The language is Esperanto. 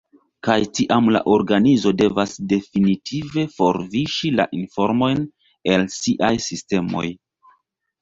Kaj tiam la organizo devas definitive forviŝi la informojn el siaj sistemoj.